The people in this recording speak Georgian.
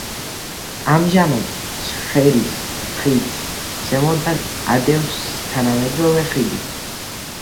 ამჟამად ჩხერის ხიდს ზემოდან ადევს თანამედროვე ხიდი.